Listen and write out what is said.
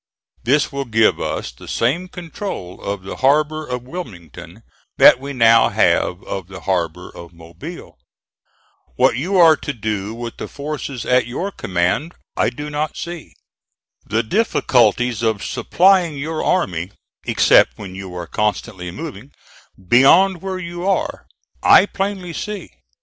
This will give us the same control of the harbor of Wilmington that we now have of the harbor of Mobile. What you are to do with the forces at your command, I do not see. The difficulties of supplying your army, except when you are constantly moving, beyond where you are, I plainly see.